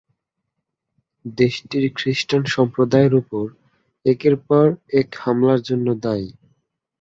দেশটির খ্রিষ্টান সম্প্রদায়ের ওপর একের পর এক হামলার জন্য দায়ী।